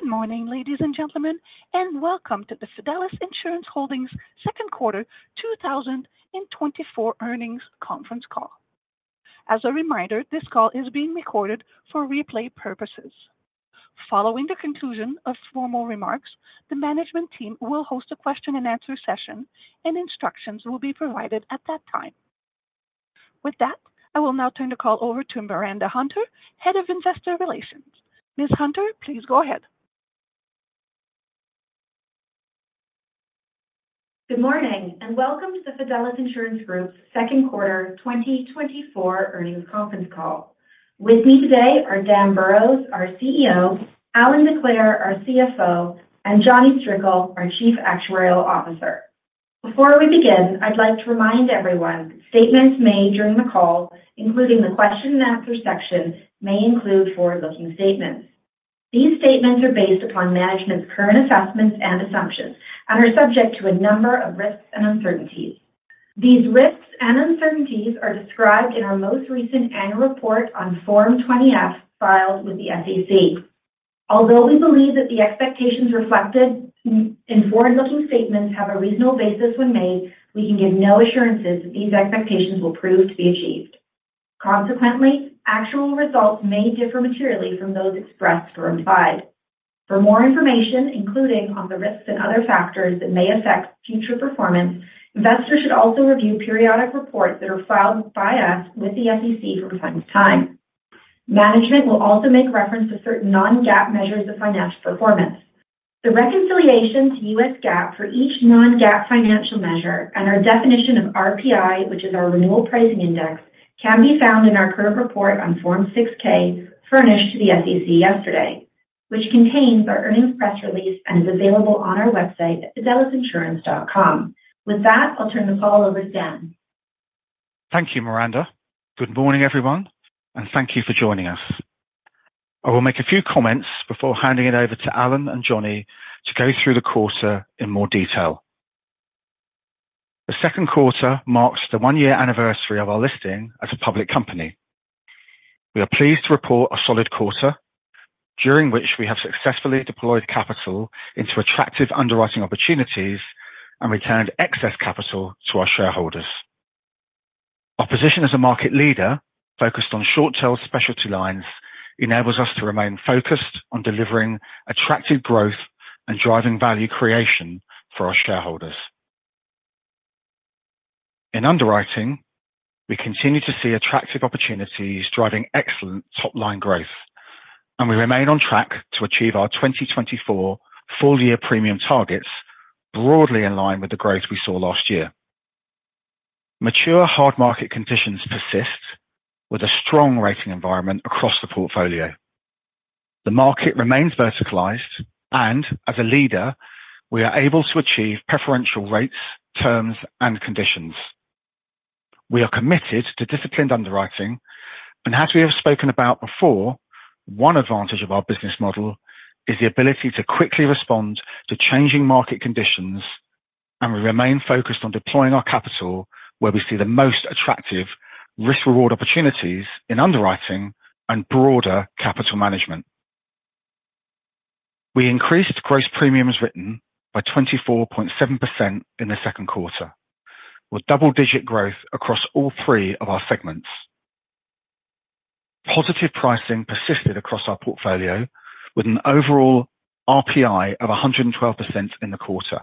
Good morning, ladies and gentlemen, and welcome to the Fidelis Insurance Holdings second quarter 2024 earnings conference call. As a reminder, this call is being recorded for replay purposes. Following the conclusion of formal remarks, the management team will host a question and answer session, and instructions will be provided at that time. With that, I will now turn the call over to Miranda Hunter, Head of Investor Relations. Ms. Hunter, please go ahead. Good morning, and welcome to the Fidelis Insurance Group's second quarter 2024 earnings conference call. With me today are Dan Burrows, our CEO, Allan Decleir, our CFO, and Jonny Strickle, our Chief Actuarial Officer. Before we begin, I'd like to remind everyone, statements made during the call, including the question and answer section, may include forward-looking statements. These statements are based upon management's current assessments and assumptions and are subject to a number of risks and uncertainties. These risks and uncertainties are described in our most recent annual report on Form 20-F, filed with the SEC. Although we believe that the expectations reflected in forward-looking statements have a reasonable basis when made, we can give no assurances that these expectations will prove to be achieved. Consequently, actual results may differ materially from those expressed or implied. For more information, including on the risks and other factors that may affect future performance, investors should also review periodic reports that are filed by us with the SEC from time to time. Management will also make reference to certain non-GAAP measures of financial performance. The reconciliation to U.S. GAAP for each non-GAAP financial measure and our definition of RPI, which is our renewal pricing index, can be found in our current report on Form 6-K, furnished to the SEC yesterday, which contains our earnings press release and is available on our website at fidelisinsurance.com. With that, I'll turn the call over to Dan. Thank you, Miranda. Good morning, everyone, and thank you for joining us. I will make a few comments before handing it over to Allan and Jonny to go through the quarter in more detail. The second quarter marks the one-year anniversary of our listing as a public company. We are pleased to report a solid quarter, during which we have successfully deployed capital into attractive underwriting opportunities and returned excess capital to our shareholders. Our position as a market leader focused on short-tail specialty lines enables us to remain focused on delivering attractive growth and driving value creation for our shareholders. In underwriting, we continue to see attractive opportunities driving excellent top-line growth, and we remain on track to achieve our 2024 full-year premium targets, broadly in line with the growth we saw last year. Mature hard market conditions persist with a strong rating environment across the portfolio. The market remains verticalized, and as a leader, we are able to achieve preferential rates, terms, and conditions. We are committed to disciplined underwriting, and as we have spoken about before, one advantage of our business model is the ability to quickly respond to changing market conditions, and we remain focused on deploying our capital where we see the most attractive risk-reward opportunities in underwriting and broader capital management. We increased gross premiums written by 24.7% in the second quarter, with double-digit growth across all three of our segments. Positive pricing persisted across our portfolio, with an overall RPI of 112% in the quarter.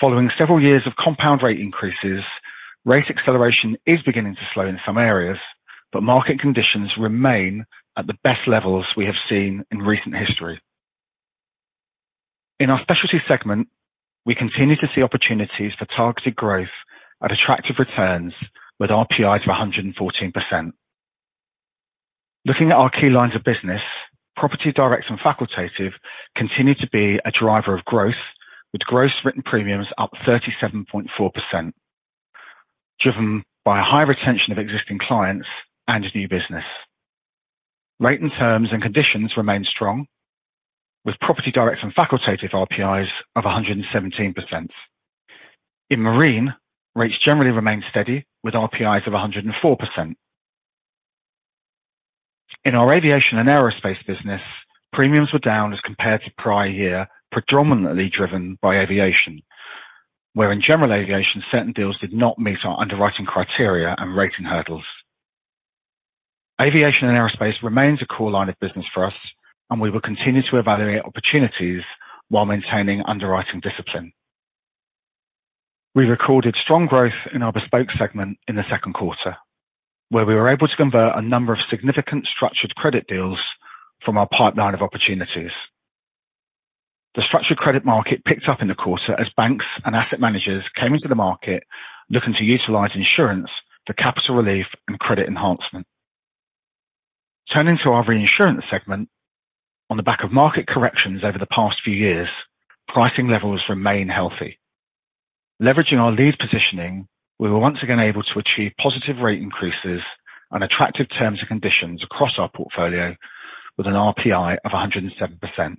Following several years of compound rate increases, rate acceleration is beginning to slow in some areas, but market conditions remain at the best levels we have seen in recent history. In our specialty segment, we continue to see opportunities for targeted growth at attractive returns with RPI to 114%. Looking at our key lines of business, property, direct and facultative continued to be a driver of growth, with gross written premiums up 37.4%, driven by a high retention of existing clients and new business. Rates and terms and conditions remain strong, with property, direct and facultative RPIs of 117%. In marine, rates generally remain steady, with RPIs of 104%. In our aviation and aerospace business, premiums were down as compared to prior year, predominantly driven by aviation, where in general aviation, certain deals did not meet our underwriting criteria and rating hurdles. Aviation and aerospace remains a core line of business for us, and we will continue to evaluate opportunities while maintaining underwriting discipline. We recorded strong growth in our Bespoke segment in the second quarter, where we were able to convert a number of significant Structured Credit deals from our pipeline of opportunities. The Structured Credit market picked up in the quarter as banks and asset managers came into the market looking to utilize insurance for capital relief and credit enhancement. Turning to our Reinsurance segment, on the back of market corrections over the past few years, pricing levels remain healthy. Leveraging our lead positioning, we were once again able to achieve positive rate increases and attractive terms and conditions across our portfolio with an RPI of 107%...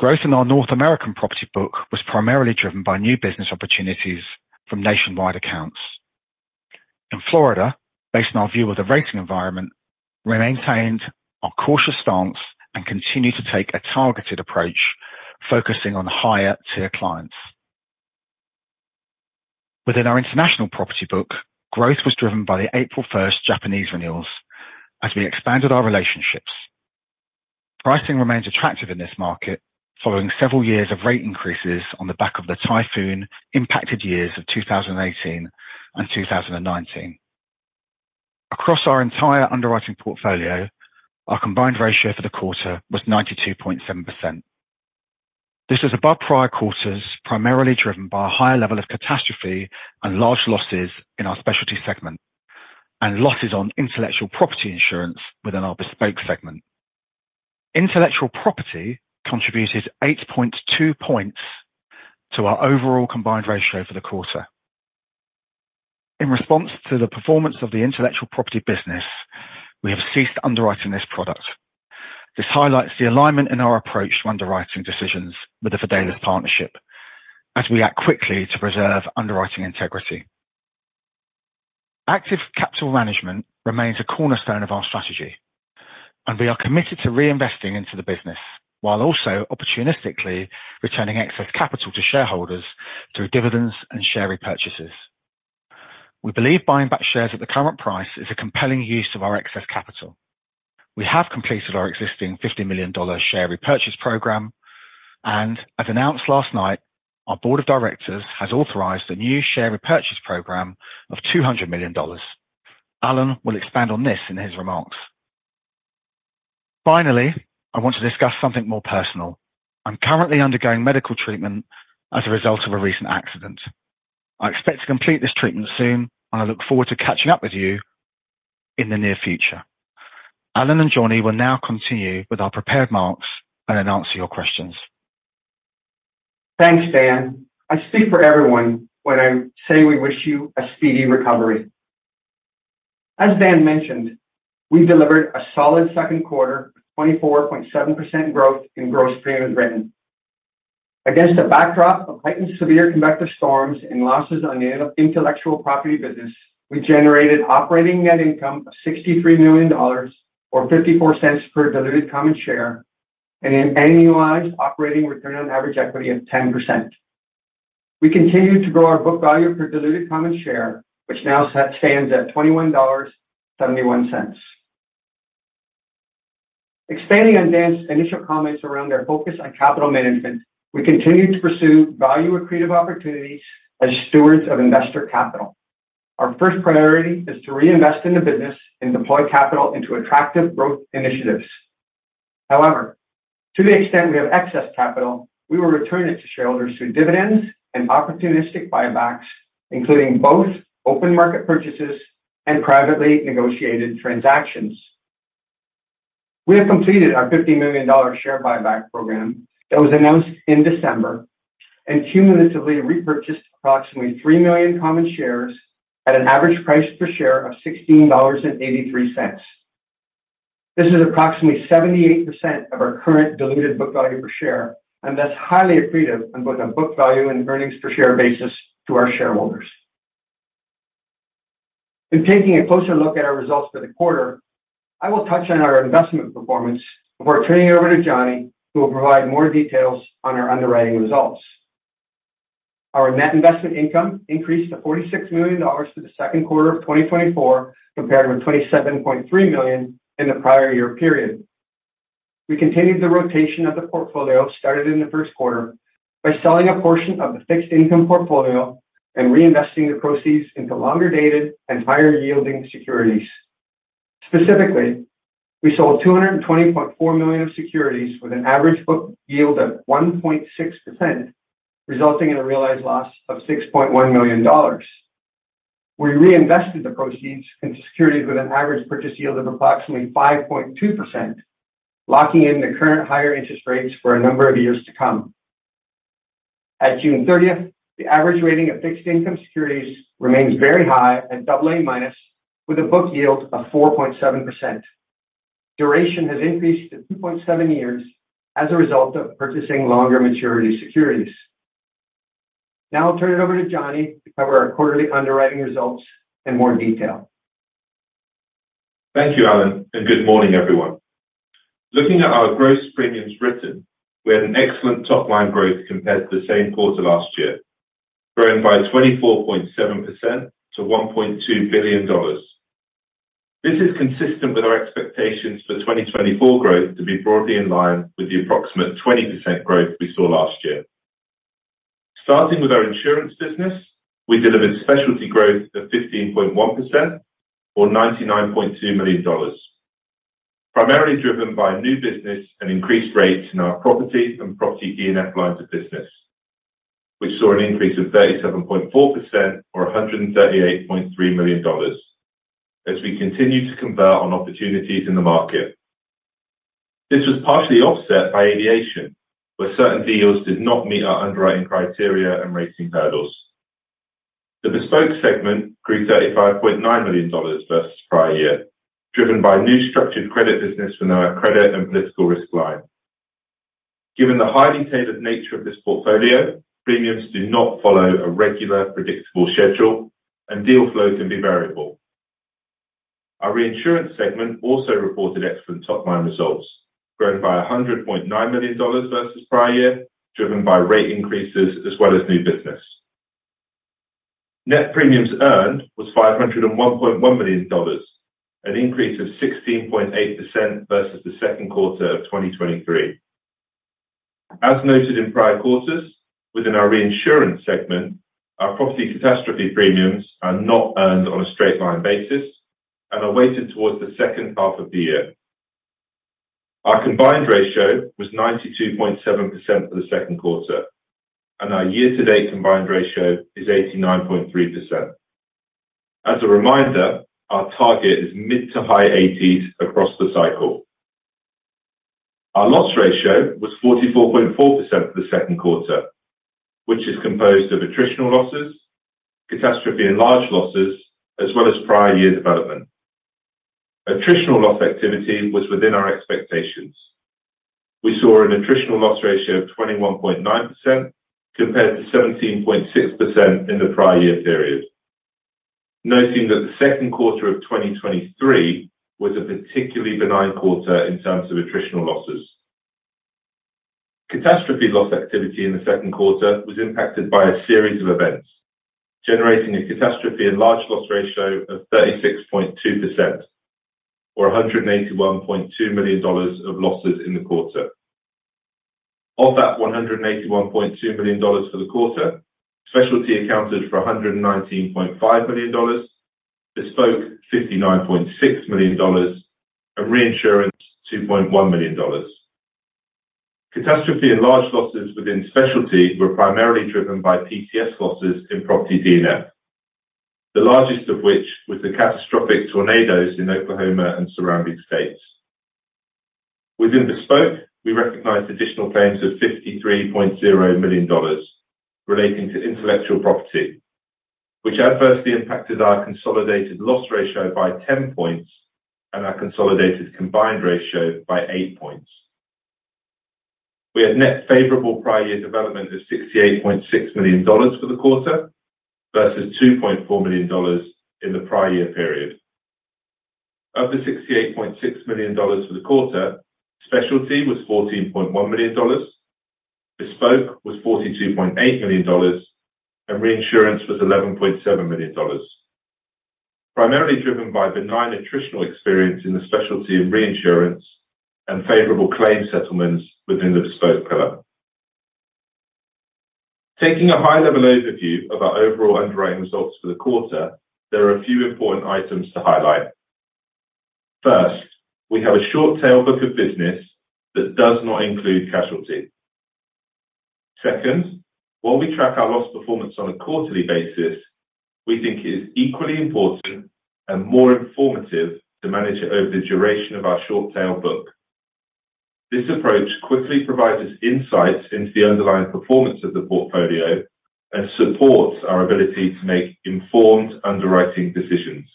Growth in our North American property book was primarily driven by new business opportunities from nationwide accounts. In Florida, based on our view of the rating environment, we maintained our cautious stance and continued to take a targeted approach, focusing on higher-tier clients. Within our international property book, growth was driven by the April 1 Japanese renewals as we expanded our relationships. Pricing remains attractive in this market, following several years of rate increases on the back of the typhoon-impacted years of 2018 and 2019. Across our entire underwriting portfolio, our combined ratio for the quarter was 92.7%. This is above prior quarters, primarily driven by a higher level of catastrophe and large losses in our specialty segment, and losses on intellectual property insurance within our bespoke segment. Intellectual property contributed 8.2 points to our overall combined ratio for the quarter. In response to the performance of the Intellectual Property business, we have ceased underwriting this product. This highlights the alignment in our approach to underwriting decisions with The Fidelis Partnership, as we act quickly to preserve underwriting integrity. Active capital management remains a cornerstone of our strategy, and we are committed to reinvesting into the business, while also opportunistically returning excess capital to shareholders through dividends and share repurchases. We believe buying back shares at the current price is a compelling use of our excess capital. We have completed our existing $50 million share repurchase program, and as announced last night, our board of directors has authorized a new share repurchase program of $200 million. Allan will expand on this in his remarks. Finally, I want to discuss something more personal. I'm currently undergoing medical treatment as a result of a recent accident. I expect to complete this treatment soon, and I look forward to catching up with you in the near future. Allan and Jonny will now continue with our prepared remarks and then answer your questions. Thanks, Dan. I speak for everyone when I say we wish you a speedy recovery. As Dan mentioned, we delivered a solid second quarter, 24.7% growth in gross premium written. Against a backdrop of heightened severe convective storms and losses on the intellectual property business, we generated operating net income of $63 million or $0.54 per diluted common share, and an annualized operating return on average equity of 10%. We continued to grow our book value per diluted common share, which now stands at $21.71. Expanding on Dan's initial comments around our focus on capital management, we continue to pursue value accretive opportunities as stewards of investor capital. Our first priority is to reinvest in the business and deploy capital into attractive growth initiatives. However, to the extent we have excess capital, we will return it to shareholders through dividends and opportunistic buybacks, including both open market purchases and privately negotiated transactions. We have completed our $50 million share buyback program that was announced in December, and cumulatively repurchased approximately 3 million common shares at an average price per share of $16.83. This is approximately 78% of our current diluted book value per share, and that's highly accretive on both a book value and earnings per share basis to our shareholders. In taking a closer look at our results for the quarter, I will touch on our investment performance before turning it over to Jonny, who will provide more details on our underwriting results. Our net investment income increased to $46 million through the second quarter of 2024, compared with $27.3 million in the prior year period. We continued the rotation of the portfolio, started in the first quarter, by selling a portion of the fixed income portfolio and reinvesting the proceeds into longer-dated and higher-yielding securities. Specifically, we sold $220.4 million of securities with an average book yield of 1.6%, resulting in a realized loss of $6.1 million. We reinvested the proceeds into securities with an average purchase yield of approximately 5.2%, locking in the current higher interest rates for a number of years to come. At June 30, the average rating of fixed income securities remains very high at double A minus, with a book yield of 4.7%. Duration has increased to 2.7 years as a result of purchasing longer maturity securities. Now I'll turn it over to Jonny to cover our quarterly underwriting results in more detail. Thank you, Allan, and good morning, everyone. Looking at our gross premiums written, we had an excellent top-line growth compared to the same quarter last year, growing by 24.7% to $1.2 billion. This is consistent with our expectations for 2024 growth to be broadly in line with the approximate 20% growth we saw last year. Starting with our insurance business, we delivered specialty growth of 15.1% or $99.2 million, primarily driven by new business and increased rates in our property and property D&F lines of business. We saw an increase of 37.4% or $138.3 million as we continue to convert on opportunities in the market. This was partially offset by aviation, where certain deals did not meet our underwriting criteria and rating hurdles. The Bespoke segment grew $35.9 million versus prior year, driven by new structured credit business from our credit and political risk line. Given the highly tailored nature of this portfolio, premiums do not follow a regular, predictable schedule, and deal flow can be variable. Our reinsurance segment also reported excellent top-line results, growing by $100.9 million versus prior year, driven by rate increases as well as new business. Net premiums earned was $501.1 million, an increase of 16.8% versus the second quarter of 2023. As noted in prior quarters, within our reinsurance segment, our property catastrophe premiums are not earned on a straight-line basis and are weighted towards the second half of the year. Our combined ratio was 92.7% for the second quarter, and our year-to-date combined ratio is 89.3%. As a reminder, our target is mid- to high 80s across the cycle. Our loss ratio was 44.4% for the second quarter, which is composed of attritional losses, catastrophe and large losses, as well as prior year development. Attritional loss activity was within our expectations. We saw an attritional loss ratio of 21.9% compared to 17.6% in the prior year period, noting that the second quarter of 2023 was a particularly benign quarter in terms of attritional losses. Catastrophe loss activity in the second quarter was impacted by a series of events, generating a catastrophe and large loss ratio of 36.2% or $181.2 million of losses in the quarter. Of that $181.2 million for the quarter, specialty accounted for $119.5 million, bespoke, $59.6 million, and reinsurance, $2.1 million. Catastrophe and large losses within specialty were primarily driven by PCS losses in property D&F, the largest of which was the catastrophic tornadoes in Oklahoma and surrounding states. Within bespoke, we recognized additional claims of $53.0 million relating to intellectual property, which adversely impacted our consolidated loss ratio by 10 points and our consolidated combined ratio by 8 points. We had net favorable prior year development of $68.6 million for the quarter versus $2.4 million in the prior year period. Of the $68.6 million for the quarter, Specialty was $14.1 million, Bespoke was $42.8 million, and Reinsurance was $11.7 million, primarily driven by benign attritional experience in the Specialty and Reinsurance and favorable claim settlements within the Bespoke pillar. Taking a high-level overview of our overall underwriting results for the quarter, there are a few important items to highlight. First, we have a short tail book of business that does not include casualty. Second, while we track our loss performance on a quarterly basis, we think it is equally important and more informative to manage it over the duration of our short tail book. This approach quickly provides us insights into the underlying performance of the portfolio and supports our ability to make informed underwriting decisions.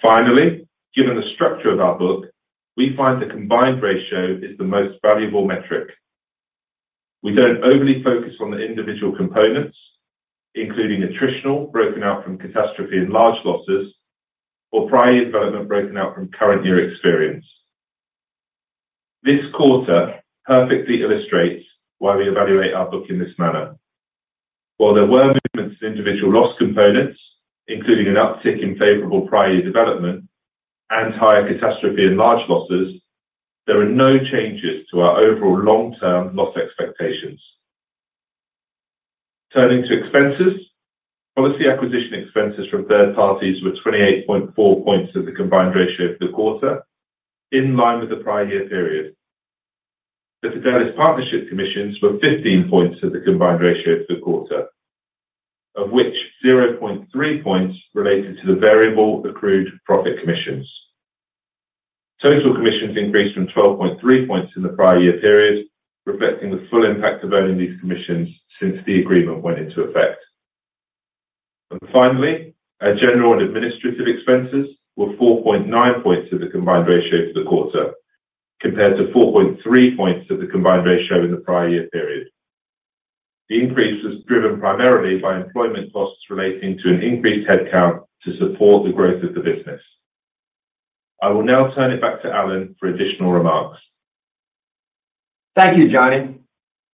Finally, given the structure of our book, we find the combined ratio is the most valuable metric. We don't overly focus on the individual components, including attritional, broken out from catastrophe and large losses, or prior year development broken out from current year experience. This quarter perfectly illustrates why we evaluate our book in this manner. While there were movements in individual loss components, including an uptick in favorable prior year development and higher catastrophe and large losses, there are no changes to our overall long-term loss expectations. Turning to expenses, policy acquisition expenses from third parties were 28.4 points of the combined ratio for the quarter, in line with the prior year period. The Fidelis Partnership commissions were 15 points of the combined ratio for the quarter, of which 0.3 points related to the variable accrued profit commissions. Total commissions increased from 12.3 points in the prior year period, reflecting the full impact of earning these commissions since the agreement went into effect. And finally, our general and administrative expenses were 4.9 points of the combined ratio for the quarter, compared to 4.3 points of the combined ratio in the prior year period. The increase was driven primarily by employment costs relating to an increased headcount to support the growth of the business. I will now turn it back to Allan for additional remarks. Thank you, Jonny.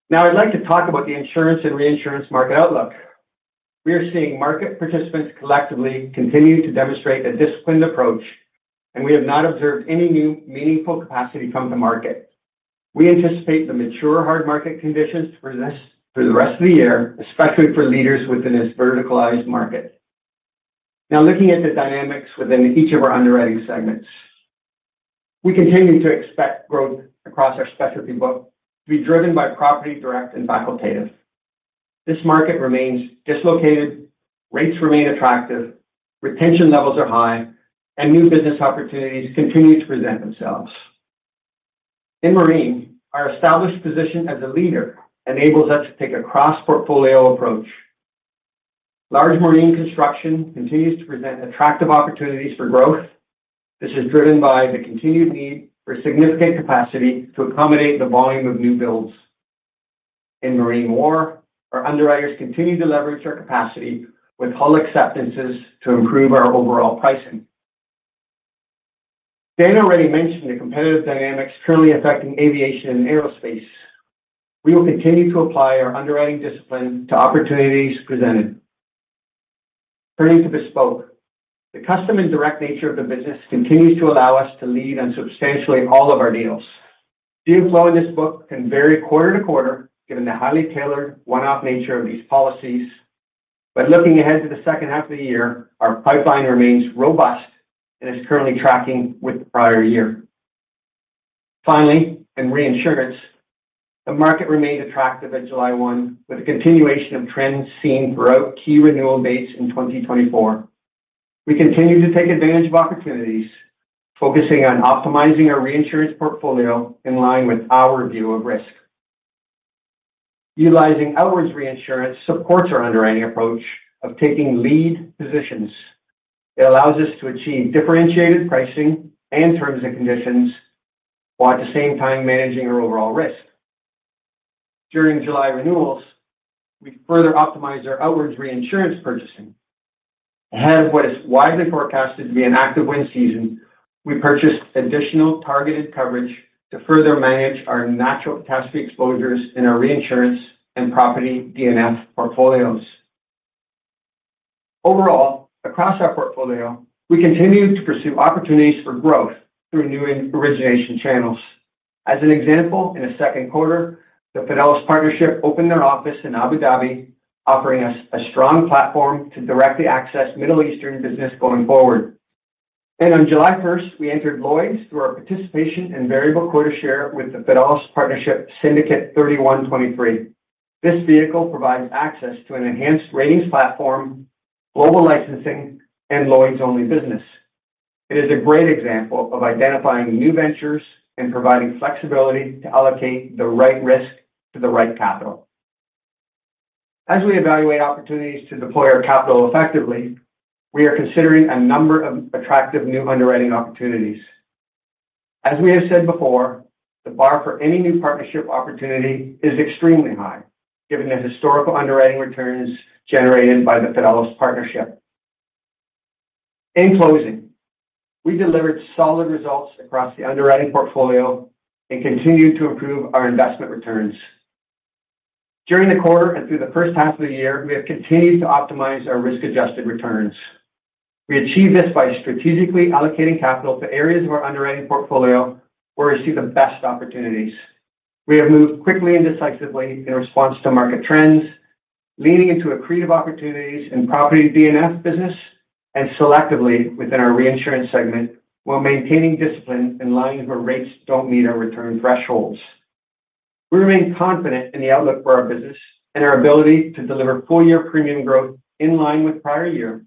Now, I'd like to talk about the insurance and reinsurance market outlook. We are seeing market participants collectively continuing to demonstrate a disciplined approach, and we have not observed any new meaningful capacity come to market. We anticipate the mature hard market conditions to persist through the rest of the year, especially for leaders within this verticalized market. Now, looking at the dynamics within each of our underwriting segments. We continue to expect growth across our specialty book to be driven by property, direct, and facultative. This market remains dislocated, rates remain attractive, retention levels are high, and new business opportunities continue to present themselves.... In marine, our established position as a leader enables us to take a cross-portfolio approach. Large marine construction continues to present attractive opportunities for growth. This is driven by the continued need for significant capacity to accommodate the volume of new builds. In Marine War, our underwriters continue to leverage our capacity with hull acceptances to improve our overall pricing. Dan already mentioned the competitive dynamics currently affecting Aviation and Aerospace. We will continue to apply our underwriting discipline to opportunities presented. Turning to Bespoke, the custom and direct nature of the business continues to allow us to lead on substantially all of our deals. The inflow of this book can vary quarter to quarter, given the highly tailored one-off nature of these policies. But looking ahead to the second half of the year, our pipeline remains robust and is currently tracking with the prior year. Finally, in Reinsurance, the market remained attractive at July 1, with a continuation of trends seen throughout key renewal dates in 2024. We continue to take advantage of opportunities, focusing on optimizing our Reinsurance portfolio in line with our view of risk. Utilizing outwards reinsurance supports our underwriting approach of taking lead positions. It allows us to achieve differentiated pricing and terms and conditions, while at the same time managing our overall risk. During July renewals, we further optimized our outwards reinsurance purchasing. Ahead of what is widely forecasted to be an active wind season, we purchased additional targeted coverage to further manage our natural catastrophe exposures in our reinsurance and property D&F portfolios. Overall, across our portfolio, we continue to pursue opportunities for growth through new origination channels. As an example, in the second quarter, the Fidelis Partnership opened their office in Abu Dhabi, offering us a strong platform to directly access Middle Eastern business going forward. On July first, we entered Lloyd's through our participation in variable quota share with the Fidelis Partnership Syndicate 3123. This vehicle provides access to an enhanced ratings platform, global licensing, and Lloyd's-only business. It is a great example of identifying new ventures and providing flexibility to allocate the right risk to the right capital. As we evaluate opportunities to deploy our capital effectively, we are considering a number of attractive new underwriting opportunities. As we have said before, the bar for any new partnership opportunity is extremely high, given the historical underwriting returns generated by the Fidelis Partnership. In closing, we delivered solid results across the underwriting portfolio and continued to improve our investment returns. During the quarter and through the first half of the year, we have continued to optimize our risk-adjusted returns. We achieve this by strategically allocating capital to areas of our underwriting portfolio where we see the best opportunities. We have moved quickly and decisively in response to market trends, leaning into accretive opportunities in property D&F business and selectively within our reinsurance segment, while maintaining discipline in lines where rates don't meet our return thresholds. We remain confident in the outlook for our business and our ability to deliver full-year premium growth in line with prior year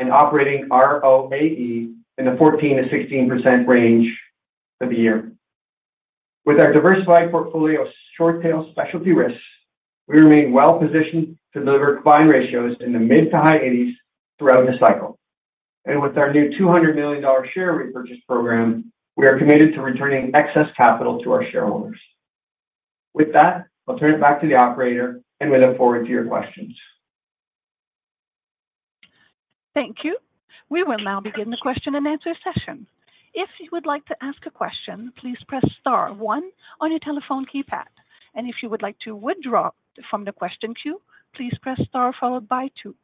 and operating ROAE in the 14%-16% range for the year. With our diversified portfolio of short-tail specialty risks, we remain well positioned to deliver combined ratios in the mid- to high 80s throughout this cycle. And with our new $200 million share repurchase program, we are committed to returning excess capital to our shareholders. With that, I'll turn it back to the operator, and we look forward to your questions. Thank you. We will now begin the question-and-answer session. If you would like to ask a question, please press star one on your telephone keypad. If you would like to withdraw from the question queue, please press star followed by two.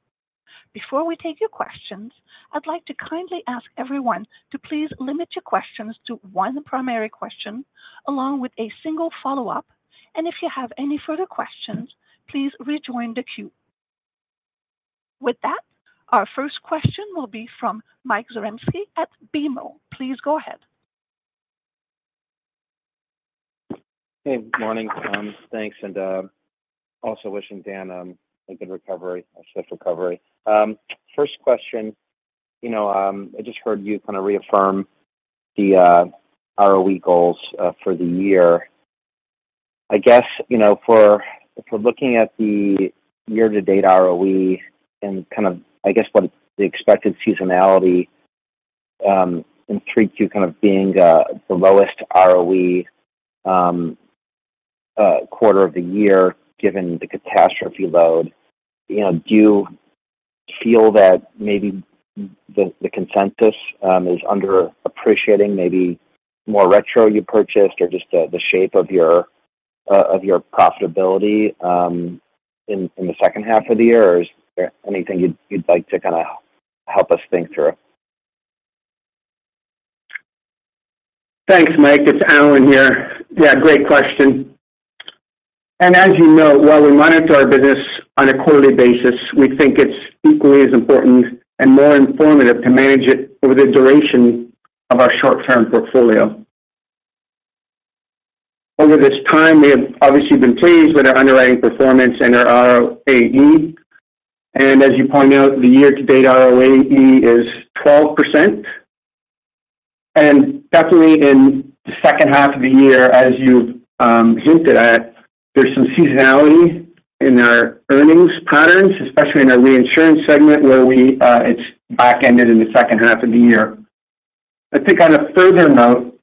Before we take your questions, I'd like to kindly ask everyone to please limit your questions to one primary question, along with a single follow-up. If you have any further questions, please rejoin the queue. With that, our first question will be from Mike Zaremski at BMO. Please go ahead. Hey, good morning, folks. Thanks, and, also wishing Dan a good recovery, a swift recovery. First question: you know, I just heard you kind of reaffirm the ROE goals for the year. I guess, you know, for looking at the year-to-date ROE and kind of, I guess, what the expected seasonality, and trend to kind of being the lowest ROE quarter of the year, given the catastrophe load, you know, do you feel that maybe the consensus is underappreciating, maybe more retrocession you purchased or just the shape of your profitability in the second half of the year? Or is there anything you'd like to kinda help us think through? Thanks, Mike. It's Allan here. Yeah, great question. As you know, while we monitor our business on a quarterly basis, we think it's equally as important and more informative to manage it over the duration of our short-term portfolio. Over this time, we have obviously been pleased with our underwriting performance and our ROAE.... And as you point out, the year-to-date ROAE is 12%. And definitely in the second half of the year, as you hinted at, there's some seasonality in our earnings patterns, especially in our reinsurance segment, where it's backended in the second half of the year. I think on a further note,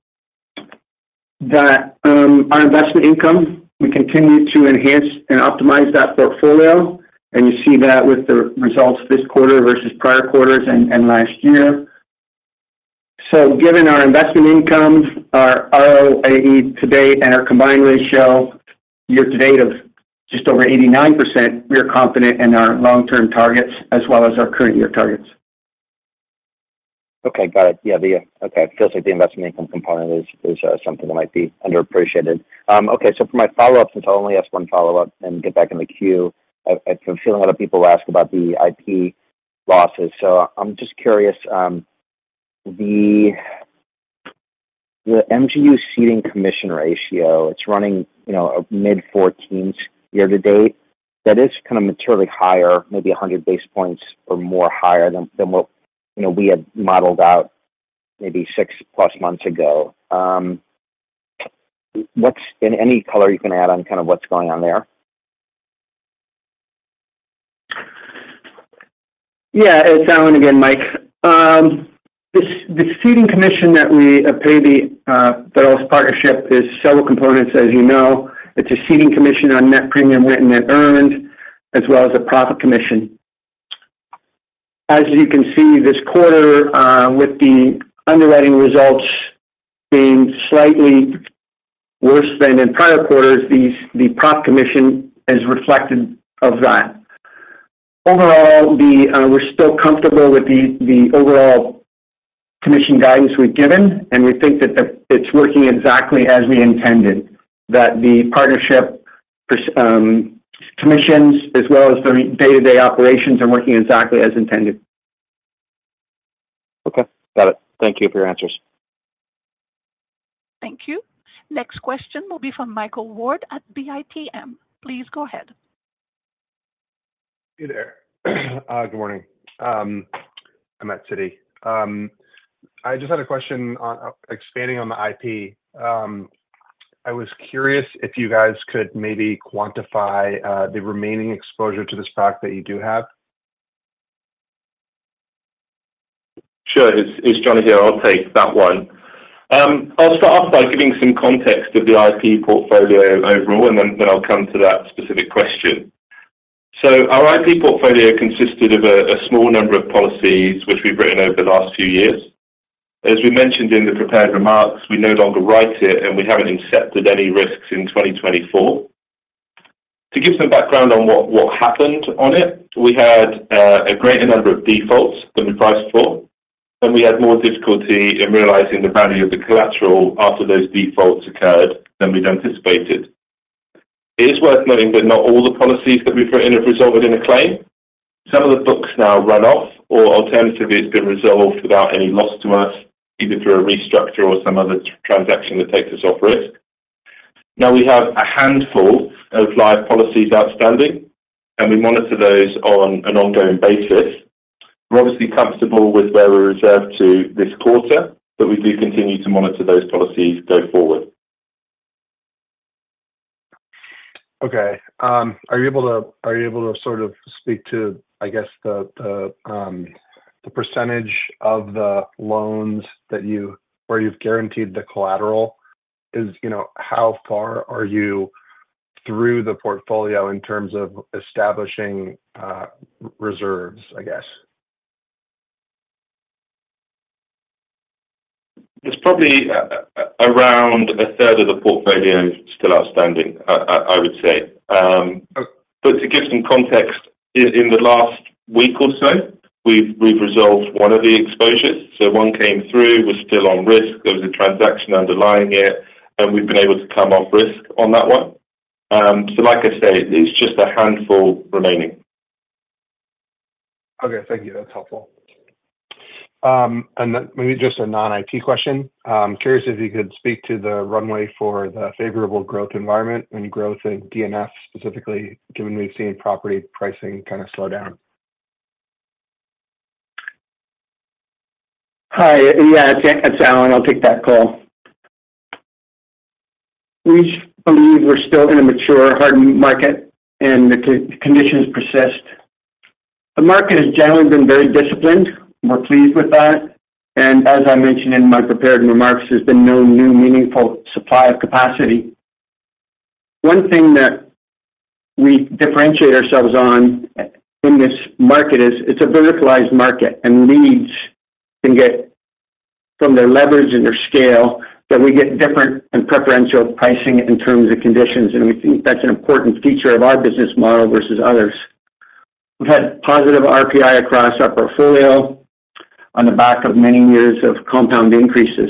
that our investment income, we continue to enhance and optimize that portfolio, and you see that with the results this quarter versus prior quarters and, and last year. So given our investment income, our ROAE today, and our combined ratio year-to-date of just over 89%, we are confident in our long-term targets as well as our current year targets. Okay, got it. Yeah, the investment income component is something that might be underappreciated. Okay, so for my follow-up, since I'll only ask one follow-up and get back in the queue. I have a feeling a lot of people ask about the IP losses. So I'm just curious, the MGU ceding commission ratio, it's running, you know, mid-14s year-to-date. That is kinda materially higher, maybe 100 basis points or more higher than what, you know, we had modeled out maybe 6+ months ago. What's in any color you can add on kind of what's going on there? Yeah, it's Allan again, Mike. The ceding commission that we pay the Fidelis Partnership is several components, as you know. It's a ceding commission on net premium written and earned, as well as a profit commission. As you can see this quarter, with the underwriting results being slightly worse than in prior quarters, the profit commission is reflected of that. Overall, we're still comfortable with the overall commission guidance we've given, and we think that it's working exactly as we intended, that the partnership for commissions as well as the day-to-day operations are working exactly as intended. Okay, got it. Thank you for your answers. Thank you. Next question will be from Michael Ward at Citi. Please go ahead. Hey there. Good morning. I'm at Citi. I just had a question on expanding on the IP. I was curious if you guys could maybe quantify the remaining exposure to this product that you do have? Sure. It's, it's Jonny here. I'll take that one. I'll start off by giving some context of the IP portfolio overall, and then I'll come to that specific question. So our IP portfolio consisted of a small number of policies which we've written over the last few years. As we mentioned in the prepared remarks, we no longer write it, and we haven't incepted any risks in 2024. To give some background on what happened on it, we had a greater number of defaults than we priced for, and we had more difficulty in realizing the value of the collateral after those defaults occurred than we'd anticipated. It is worth noting that not all the policies that we've written have resulted in a claim. Some of the books now run off, or alternatively, it's been resolved without any loss to us, either through a restructure or some other transaction that takes us off risk. Now we have a handful of live policies outstanding, and we monitor those on an ongoing basis. We're obviously comfortable with where we're reserved to this quarter, but we do continue to monitor those policies going forward. Okay, are you able to sort of speak to, I guess, the percentage of the loans that you—where you've guaranteed the collateral? You know, how far are you through the portfolio in terms of establishing reserves, I guess? It's probably around a third of the portfolio is still outstanding, I would say. But to give some context, in the last week or so, we've resolved one of the exposures. So one came through, was still on risk. There was a transaction underlying it, and we've been able to come off risk on that one. So like I said, it's just a handful remaining. Okay, thank you. That's helpful. And then maybe just a non-IP question. I'm curious if you could speak to the runway for the favorable growth environment and growth in D&F, specifically, given we've seen property pricing kind of slow down? Hi. Yeah, it's Alan. I'll take that call. We believe we're still in a mature, hardened market, and the conditions persist. The market has generally been very disciplined. We're pleased with that, and as I mentioned in my prepared remarks, there's been no new meaningful supply of capacity. One thing that we differentiate ourselves on in this market is, it's a verticalized market, and leads can get from their leverage and their scale, that we get different and preferential pricing in terms of conditions, and we think that's an important feature of our business model versus others. We've had positive RPI across our portfolio on the back of many years of compound increases.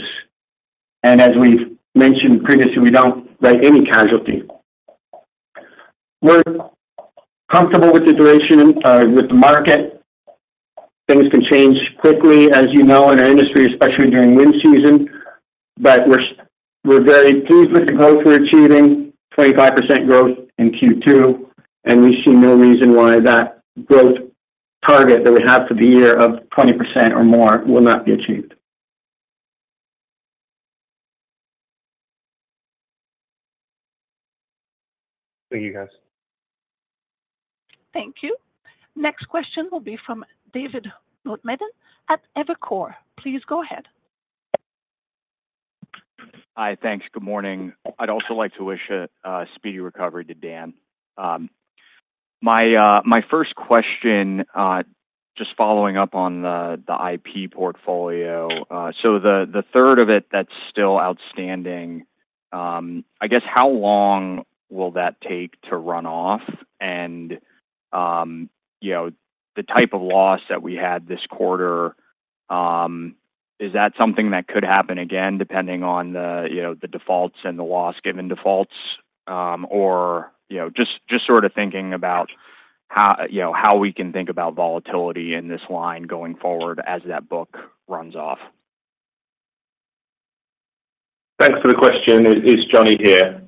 And as we've mentioned previously, we don't write any casualty. We're comfortable with the duration with the market. Things can change quickly, as you know, in our industry, especially during wind season. But we're very pleased with the growth we're achieving, 25% growth in Q2, and we see no reason why that growth target that we have for the year of 20% or more will not be achieved. Thank you, guys. Thank you. Next question will be from David Motemaden at Evercore. Please go ahead. Hi, thanks. Good morning. I'd also like to wish a speedy recovery to Dan. My first question, just following up on the IP portfolio. So the third of it that's still outstanding, I guess, how long will that take to run off? And, you know, the type of loss that we had this quarter, is that something that could happen again, depending on the, you know, the defaults and the loss-given defaults? Or, you know, just sort of thinking about how, you know, how we can think about volatility in this line going forward as that book runs off. Thanks for the question. It's Jonny here.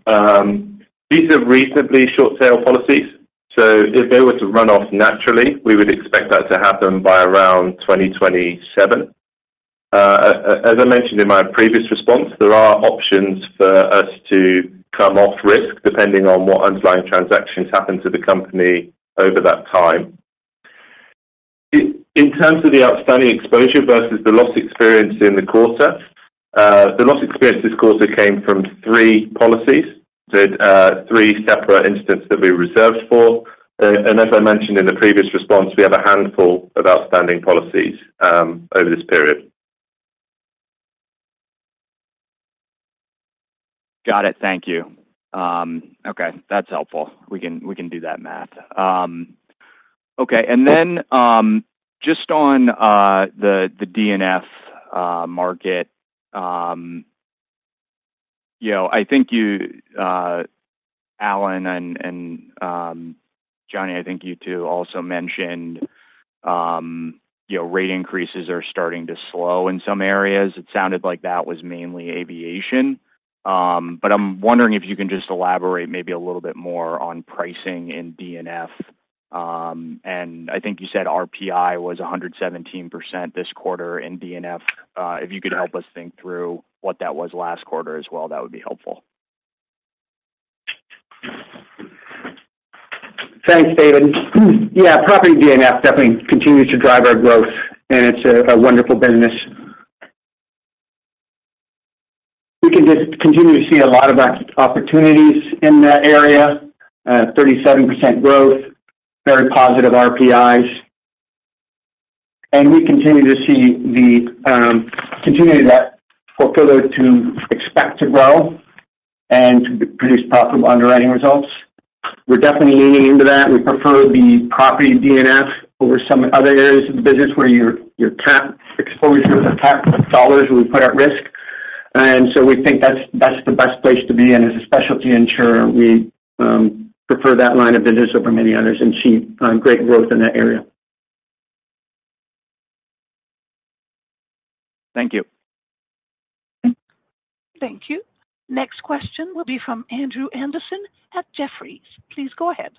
These are reasonably short sale policies, so if they were to run off naturally, we would expect that to happen by around 2027. As I mentioned in my previous response, there are options for us to come off risk, depending on what underlying transactions happen to the company over that time. In terms of the outstanding exposure versus the loss experienced in the quarter, the loss experienced this quarter came from three policies. Three separate incidents that we reserved for. And as I mentioned in the previous response, we have a handful of outstanding policies, over this period. Got it. Thank you. Okay, that's helpful. We can, we can do that math. Okay. And then, just on the D&F market, you know, I think you, Allan and Jonny, I think you two also mentioned, you know, rate increases are starting to slow in some areas. It sounded like that was mainly aviation. But I'm wondering if you can just elaborate maybe a little bit more on pricing in D&F. And I think you said RPI was 117% this quarter in D&F. If you could help us think through what that was last quarter as well, that would be helpful. Thanks, David. Yeah, property D&F definitely continues to drive our growth, and it's a wonderful business. We can just continue to see a lot of opportunities in that area. 37% growth, very positive RPIs, and we continue to see that portfolio to expect to grow and to produce profitable underwriting results. We're definitely leaning into that. We prefer the property D&F over some other areas of the business where your cat exposures and capital dollars we put at risk. And so we think that's the best place to be. And as a specialty insurer, we prefer that line of business over many others and see great growth in that area. Thank you. Thank you. Next question will be from Andrew Andersen at Jefferies. Please go ahead.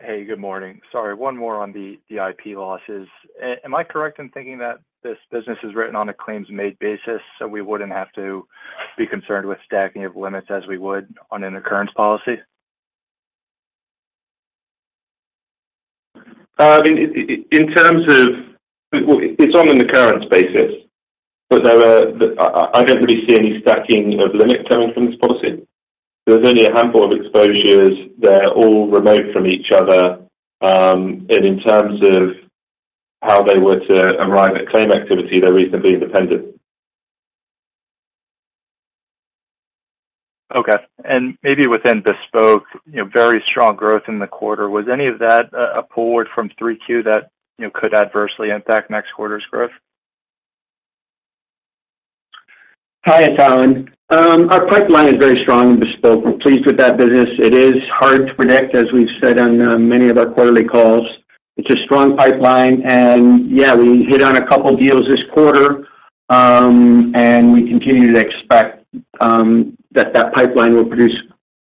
Hey, good morning. Sorry, one more on the IP losses. Am I correct in thinking that this business is written on a claims-made basis, so we wouldn't have to be concerned with stacking of limits as we would on an occurrence policy? In terms of... Well, it's on an occurrence basis, but there are, I don't really see any stacking of limits coming from this policy. There's only a handful of exposures. They're all remote from each other. And in terms of how they were to arrive at claim activity, they're reasonably independent. Okay. And maybe within Bespoke, you know, very strong growth in the quarter, was any of that a pull forward from 3Q that, you know, could adversely impact next quarter's growth? Hi, it's Alan. Our pipeline is very strong in bespoke. We're pleased with that business. It is hard to predict, as we've said on many of our quarterly calls. It's a strong pipeline, and yeah, we hit on a couple deals this quarter, and we continue to expect that that pipeline will produce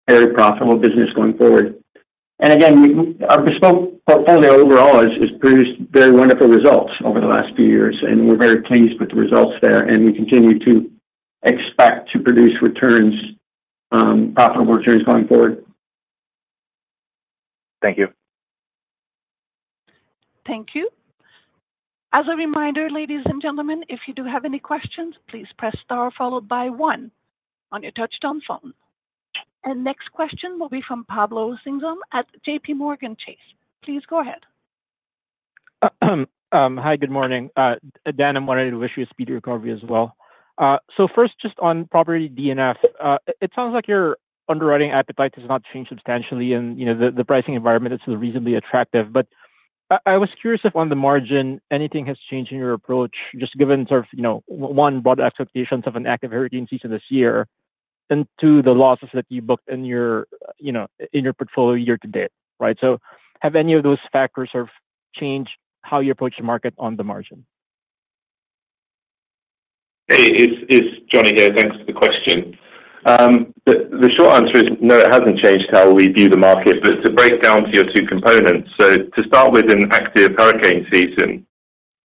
very profitable business going forward. And again, our bespoke portfolio overall has produced very wonderful results over the last few years, and we're very pleased with the results there, and we continue to expect to produce returns, profitable returns going forward. Thank you. Thank you. As a reminder, ladies and gentlemen, if you do have any questions, please press Star followed by one on your touchtone phone. Next question will be from Pablo Singham at JPMorgan Chase. Please go ahead. Hi, good morning. Dan, I wanted to wish you a speedy recovery as well. So first, just on property D&F, it sounds like your underwriting appetite has not changed substantially and, you know, the pricing environment is reasonably attractive. But I was curious if on the margin, anything has changed in your approach, just given sort of, you know, one, broad expectations of an active hurricane season this year?... and to the losses that you booked in your, you know, in your portfolio year to date, right? So have any of those factors sort of changed how you approach your market on the margin? Hey, it's Jonny here. Thanks for the question. The short answer is no, it hasn't changed how we view the market. But to break down to your two components, so to start with an active hurricane season,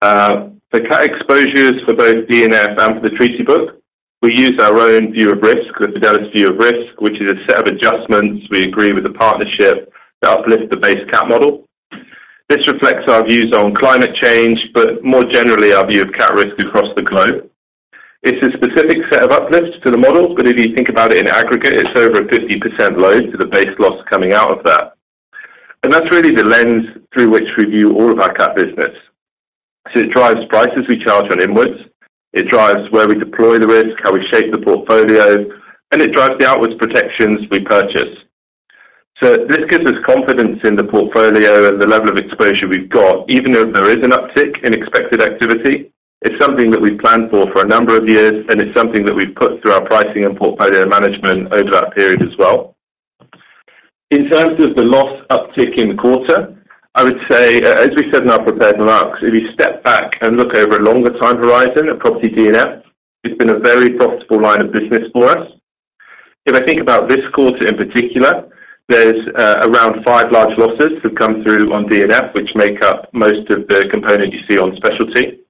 the cat exposures for both D&F and for the treaty book, we use our own view of risk, the Fidelis view of risk, which is a set of adjustments we agree with the partnership to uplift the base cat model. This reflects our views on climate change, but more generally, our view of cat risk across the globe. It's a specific set of uplifts to the model, but if you think about it in aggregate, it's over a 50% load to the base loss coming out of that. That's really the lens through which we view all of our cat business. It drives prices we charge on inwards, it drives where we deploy the risk, how we shape the portfolio, and it drives the outwards protections we purchase. This gives us confidence in the portfolio and the level of exposure we've got, even if there is an uptick in expected activity. It's something that we've planned for for a number of years, and it's something that we've put through our pricing and portfolio management over that period as well. In terms of the loss uptick in the quarter, I would say, as we said in our prepared remarks, if you step back and look over a longer time horizon of property D&F, it's been a very profitable line of business for us. If I think about this quarter in particular, there's around five large losses that have come through on D&F, which make up most of the component you see on specialty.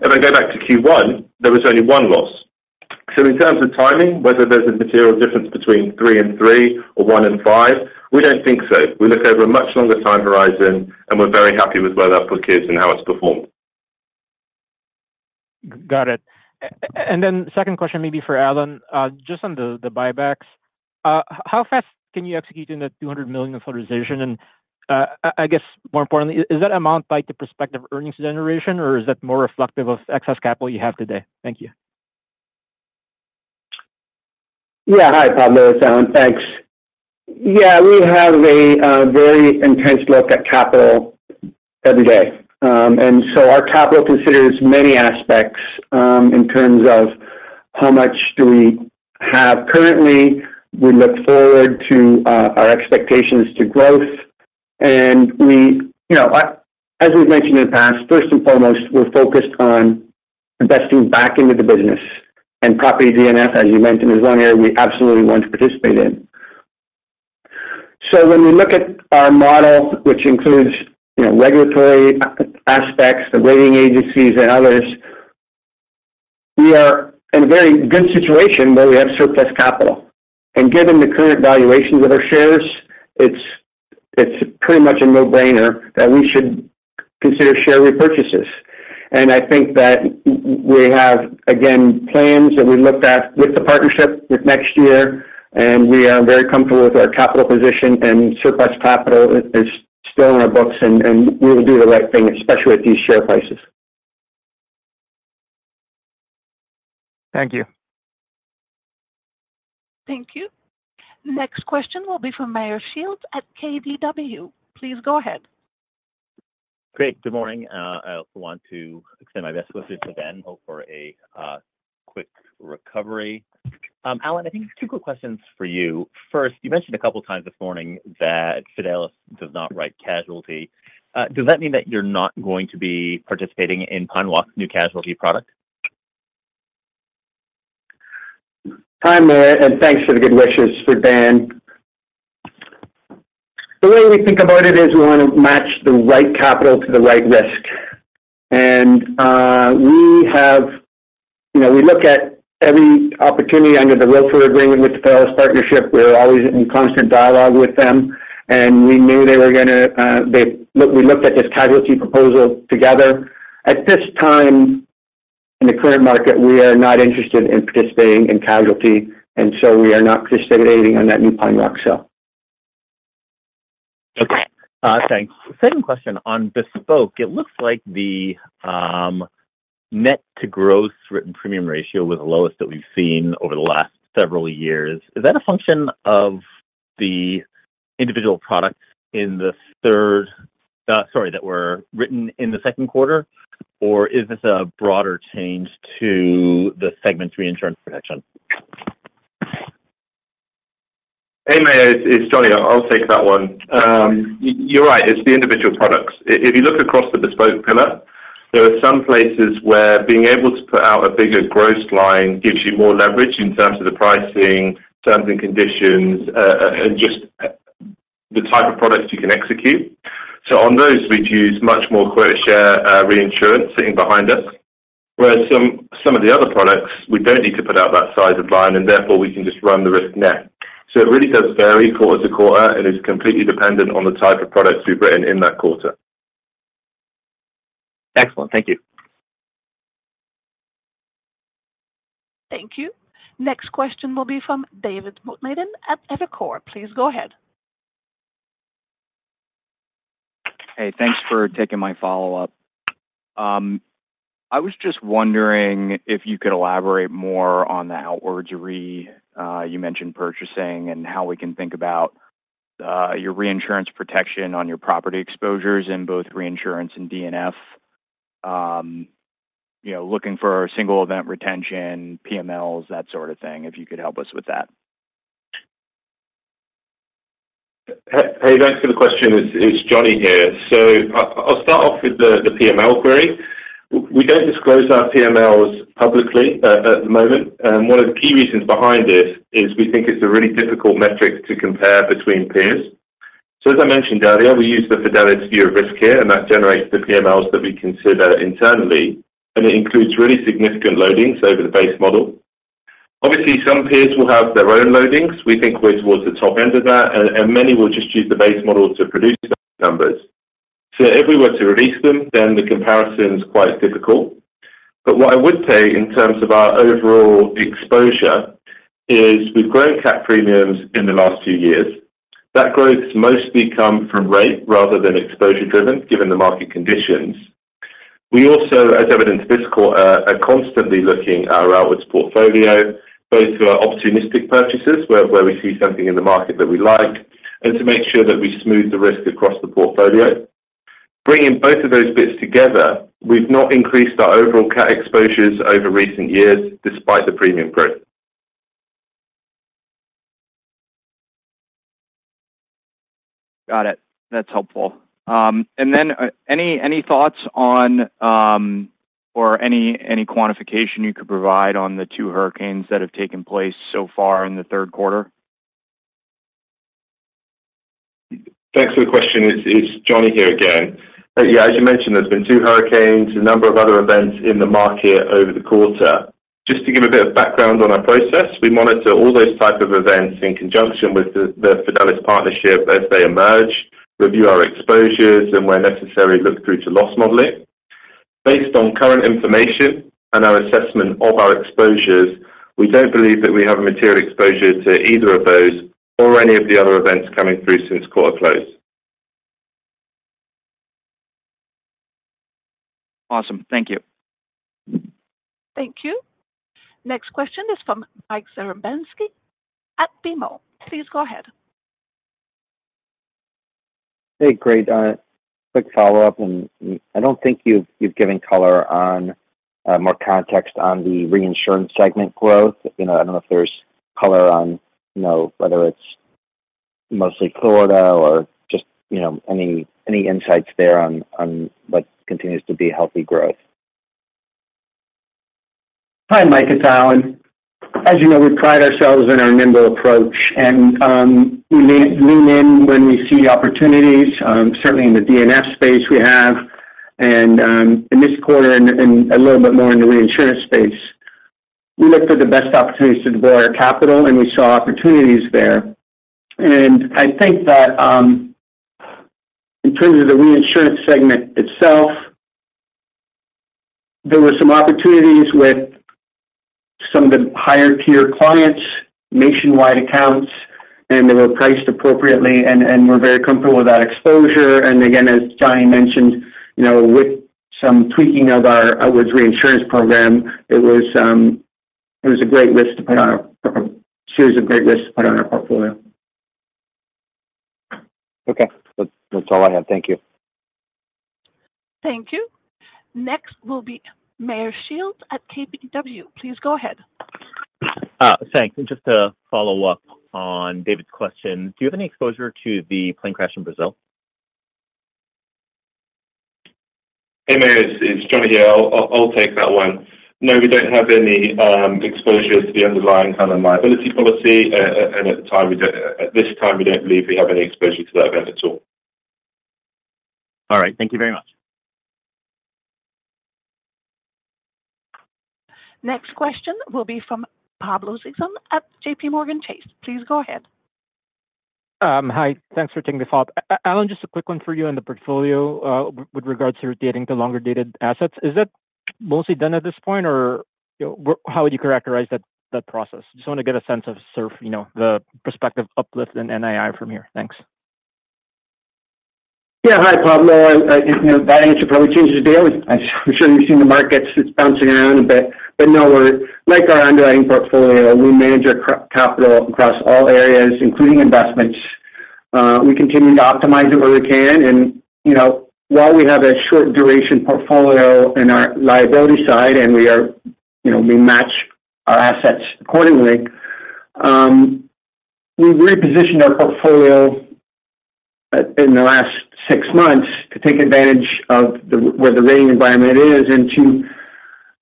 If I go back to Q1, there was only one loss. So in terms of timing, whether there's a material difference between three and three or one and five, we don't think so. We look over a much longer time horizon, and we're very happy with where that put us and how it's performed. Got it. And then second question, maybe for Allan, just on the buybacks. How fast can you execute in that $200 million authorization? And, I guess more importantly, is that amount like the prospective earnings generation, or is that more reflective of excess capital you have today? Thank you. Yeah. Hi, Pablo. It's Allan. Thanks. Yeah, we have a very intense look at capital every day. And so our capital considers many aspects, in terms of how much do we have currently. We look forward to our expectations to growth, and You know, as we've mentioned in the past, first and foremost, we're focused on investing back into the business. And property D&F, as you mentioned, is one area we absolutely want to participate in. So when we look at our model, which includes, you know, regulatory aspects, the rating agencies and others, we are in a very good situation where we have surplus capital. And given the current valuations of our shares, it's, it's pretty much a no-brainer that we should consider share repurchases. I think that we have, again, plans that we looked at with the partnership with next year, and we are very comfortable with our capital position, and surplus capital is still on our books, and we will do the right thing, especially at these share prices. Thank you. Thank you. Next question will be from Meyer Shields at KBW. Please go ahead. Great. Good morning. I want to extend my best wishes to Dan. Hope for a quick recovery. Allan, I think two quick questions for you. First, you mentioned a couple times this morning that Fidelis does not write casualty. Does that mean that you're not going to be participating in Pine Walk's new casualty product? Hi, Meyer, and thanks for the good wishes for Dan. The way we think about it is we want to match the right capital to the right risk. And, we have... You know, we look at every opportunity under the working agreement with the Fidelis Partnership. We're always in constant dialogue with them, and we knew they were gonna, we looked at this casualty proposal together. At this time, in the current market, we are not interested in participating in casualty, and so we are not participating on that new Pine Walk sale. Okay, thanks. Second question on bespoke. It looks like the net to gross written premium ratio was the lowest that we've seen over the last several years. Is that a function of the individual products in the third... Sorry, that were written in the second quarter, or is this a broader change to the segment reinsurance protection? Hey, Meyer, it's Jonny. I'll take that one. You're right, it's the individual products. If you look across the bespoke pillar, there are some places where being able to put out a bigger gross line gives you more leverage in terms of the pricing, terms and conditions, and just the type of products you can execute. So on those, we'd use much more quota share reinsurance sitting behind us. Whereas some of the other products, we don't need to put out that size of line, and therefore, we can just run the risk net. So it really does vary quarter to quarter and is completely dependent on the type of products we've written in that quarter. Excellent. Thank you. Thank you. Next question will be from David Motemaden at Evercore ISI. Please go ahead. Hey, thanks for taking my follow-up. I was just wondering if you could elaborate more on the outwards re, you mentioned purchasing, and how we can think about, your reinsurance protection on your property exposures in both reinsurance and D&F, you know, looking for our single event retention, PMLs, that sort of thing, if you could help us with that. Hey, thanks for the question. It's Jonny here. So I'll start off with the PML query. We don't disclose our PMLs publicly at the moment, and one of the key reasons behind this is we think it's a really difficult metric to compare between peers. So as I mentioned earlier, we use the Fidelis view of risk here, and that generates the PMLs that we consider internally, and it includes really significant loadings over the base model. Obviously, some peers will have their own loadings. We think we're towards the top end of that, and many will just use the base model to produce those numbers. So if we were to release them, then the comparison is quite difficult. But what I would say in terms of our overall exposure is we've grown cat premiums in the last two years. That growth's mostly come from rate rather than exposure driven, given the market conditions. We also, as evidenced this quarter, are constantly looking our outwards portfolio, both through our opportunistic purchases, where we see something in the market that we like, and to make sure that we smooth the risk across the portfolio. Bringing both of those bits together, we've not increased our overall cat exposures over recent years, despite the premium growth. Got it. That's helpful. And then, any thoughts on, or any quantification you could provide on the two hurricanes that have taken place so far in the third quarter? Thanks for the question. It's Johnny here again. Yeah, as you mentioned, there's been two hurricanes, a number of other events in the market over the quarter. Just to give a bit of background on our process, we monitor all those type of events in conjunction with the Fidelis Partnership as they emerge, review our exposures, and where necessary, look through to loss modeling. Based on current information and our assessment of our exposures, we don't believe that we have a material exposure to either of those or any of the other events coming through since quarter close. Awesome. Thank you. Thank you. Next question is from Mike Zaremski at BMO. Please go ahead. Hey, great. Quick follow-up, and I don't think you've given color on more context on the reinsurance segment growth. You know, I don't know if there's color on, you know, whether it's mostly Florida or just, you know, any insights there on what continues to be healthy growth. Hi, Mike, it's Allan. As you know, we pride ourselves in our nimble approach, and we lean in when we see opportunities, certainly in the D&F space we have, and in this quarter and a little bit more in the reinsurance space. We look for the best opportunities to deploy our capital, and we saw opportunities there. And I think that in terms of the reinsurance segment itself, there were some opportunities with some of the higher tier clients, nationwide accounts, and they were priced appropriately, and we're very comfortable with that exposure. And again, as Jonny mentioned, you know, with some tweaking of our outwards reinsurance program, it was it was a great risk to put on our- a series of great risks to put on our portfolio. Okay. That's, that's all I have. Thank you. Thank you. Next will be Meyer Shields at KBW. Please go ahead. Thanks. Just to follow up on David's question, do you have any exposure to the plane crash in Brazil? Hey, Meyer, it's Jonny here. I'll take that one. No, we don't have any exposure to the underlying kind of liability policy, at this time we don't believe we have any exposure to that event at all. All right. Thank you very much. Next question will be from Pablo Singham at J.P. Morgan Chase. Please go ahead. Hi, thanks for taking the call. Allan, just a quick one for you on the portfolio, with regards to getting the longer dated assets. Is that mostly done at this point, or, you know, how would you characterize that, that process? Just want to get a sense of sort of, you know, the prospective uplift in NII from here. Thanks. Yeah. Hi, Pablo. You know, that answer probably changes daily. I'm sure you've seen the markets. It's bouncing around a bit, but no, we're like our underlying portfolio, we manage our capital across all areas, including investments. We continue to optimize it where we can and, you know, while we have a short duration portfolio in our liability side, and we are, you know, we match our assets accordingly, we've repositioned our portfolio in the last six months to take advantage of the, where the rating environment is and to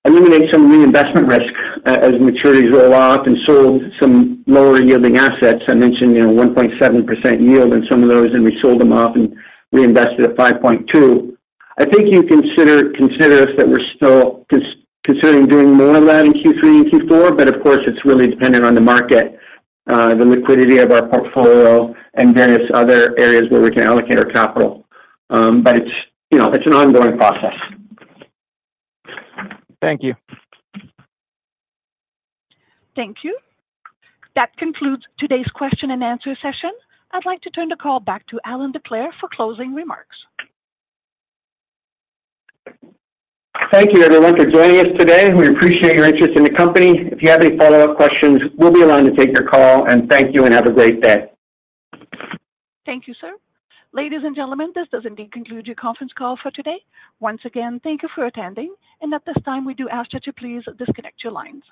eliminate some reinvestment risk as maturities roll off and sold some lower yielding assets. I mentioned, you know, 1.7% yield in some of those, and we sold them off and reinvested at 5.2%. I think you consider us that we're still considering doing more of that in Q3 and Q4, but of course, it's really dependent on the market, the liquidity of our portfolio and various other areas where we can allocate our capital. But it's, you know, it's an ongoing process. Thank you. Thank you. That concludes today's question and answer session. I'd like to turn the call back to Allan Decleir for closing remarks. Thank you, everyone, for joining us today. We appreciate your interest in the company. If you have any follow-up questions, we'll be available to take your call, and thank you, and have a great day. Thank you, sir. Ladies and gentlemen, this does indeed conclude your conference call for today. Once again, thank you for attending, and at this time, we do ask you to please disconnect your line.